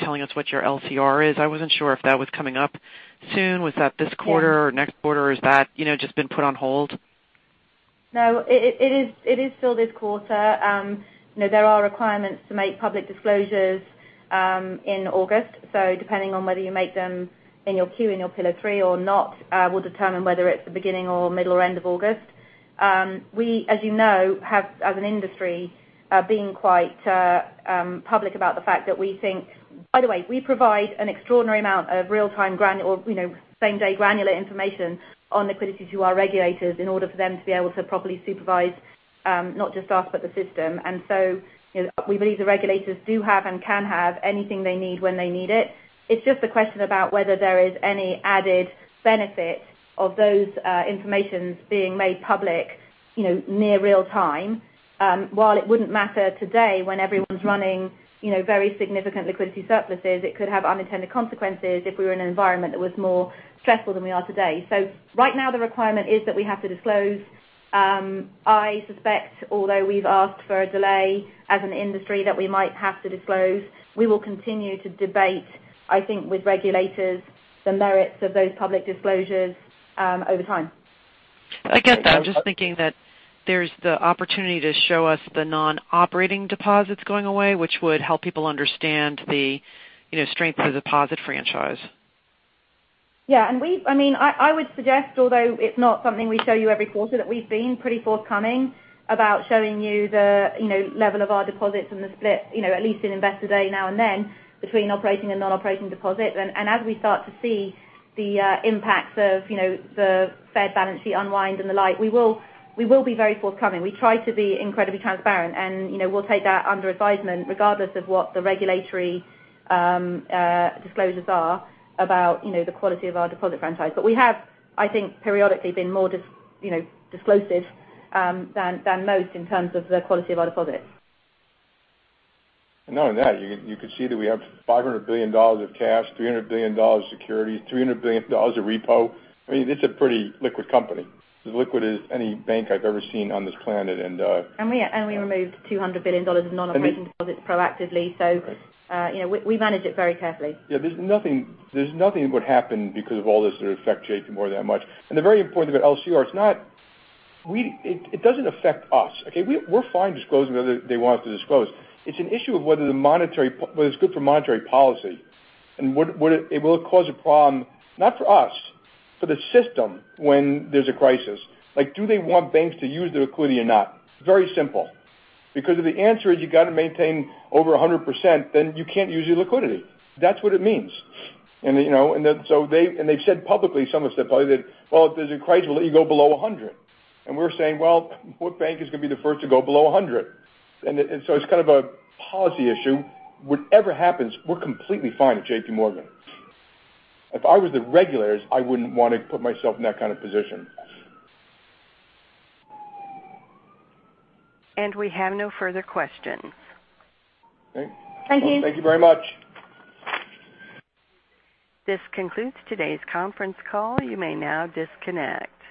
telling us what your LCR is? I wasn't sure if that was coming up soon. Was that this quarter or next quarter? Has that just been put on hold? No. It is still this quarter. There are requirements to make public disclosures in August. Depending on whether you make them in your Q, in your Pillar 3 or not, will determine whether it's the beginning or middle or end of August. We, as you know, have as an industry, being quite public about the fact that we provide an extraordinary amount of real-time, same-day granular information on liquidity to our regulators in order for them to be able to properly supervise, not just us, but the system. We believe the regulators do have and can have anything they need when they need it. It's just a question about whether there is any added benefit of those informations being made public near real time. While it wouldn't matter today when everyone's running very significant liquidity surpluses, it could have unintended consequences if we were in an environment that was more stressful than we are today. Right now, the requirement is that we have to disclose. I suspect, although we've asked for a delay as an industry that we might have to disclose. We will continue to debate, I think, with regulators the merits of those public disclosures over time. I guess I'm just thinking that there's the opportunity to show us the non-operating deposits going away, which would help people understand the strength of the deposit franchise. Yeah. I would suggest, although it's not something we show you every quarter, that we've been pretty forthcoming about showing you the level of our deposits and the split, at least in Investor Day now and then, between operating and non-operating deposits. As we start to see the impacts of the Fed balance sheet unwind and the like, we will be very forthcoming. We try to be incredibly transparent, and we'll take that under advisement regardless of what the regulatory disclosures are about the quality of our deposit franchise. We have, I think, periodically been more disclosive than most in terms of the quality of our deposits. Not only that, you could see that we have $500 billion of cash, $300 billion of securities, $300 billion of repo. It's a pretty liquid company. As liquid as any bank I've ever seen on this planet. We removed $200 billion of non-operating deposits proactively, we manage it very carefully. Yeah. There's nothing that would happen because of all this that affect JPMorgan that much. The very important thing about LCR, it doesn't affect us. Okay? We're fine disclosing whether they want us to disclose. Will it cause a problem, not for us, for the system when there's a crisis? Do they want banks to use their liquidity or not? Very simple. If the answer is you got to maintain over 100%, then you can't use your liquidity. That's what it means. They've said publicly, some have said publicly that, "Well, if there's a crisis, we'll let you go below 100%." We're saying, "Well, what bank is going to be the first to go below 100%?" It's kind of a policy issue. Whatever happens, we're completely fine at JPMorgan. If I was the regulators, I wouldn't want to put myself in that kind of position. We have no further questions. Okay. Thank you. Thank you very much. This concludes today's conference call. You may now disconnect.